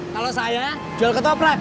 kalau saya jual ke toprak